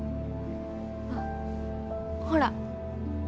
あっほら。